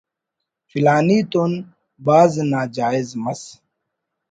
فلانی تون بھاز ناجائز مس